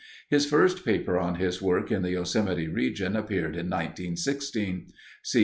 His first paper on his work in the Yosemite region appeared in 1916. C.